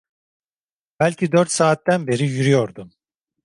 Belki dört saatten beri yürüyordum.